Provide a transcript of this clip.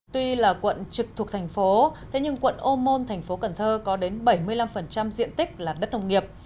tuy là quận trực thuộc thành phố thế nhưng quận ô môn thành phố cần thơ có đến bảy mươi năm diện tích là đất nông nghiệp